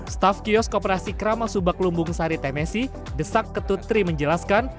staff kiosk kooperasi kramasubak lumbung sari temesi desak ketutri menjelaskan